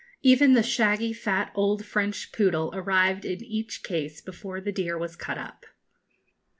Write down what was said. Even the shaggy fat old French poodle arrived in each case before the deer was cut up.